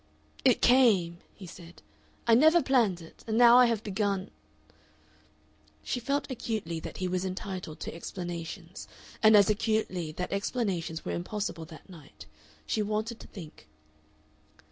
"It came," he said. "I never planned it And now I have begun " She felt acutely that he was entitled to explanations, and as acutely that explanations were impossible that night. She wanted to think.